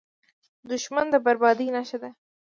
• دښمني د بربادۍ نښه ده.